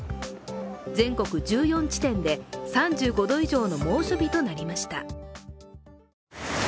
全国１４地点で３５度以上の猛暑日となりました。